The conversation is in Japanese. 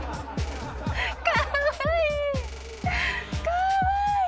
かわいい。